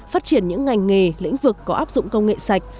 phát triển những ngành nghề lĩnh vực có áp dụng công nghệ sạch